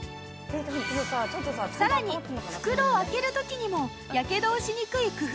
さらに袋を開ける時にもやけどをしにくい工夫が！